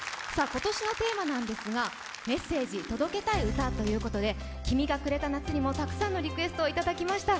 今年のテーマなんですが、「メッセージ届けたい歌」ということで、「君がくれた夏」にもたくさんのリクエストをいただきました。